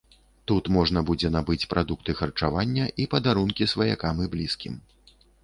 Тут можна будзе набыць прадукты харчавання і падарункі сваякам і блізкім.